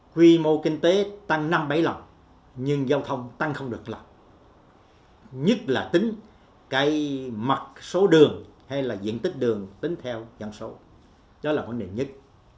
quy mô kinh tế tăng năm bảy lần nhưng giao thông tăng không được lần nhất là tính cái mặt số đường hay là diện tích đường tính theo dân số đó là vấn đề nhất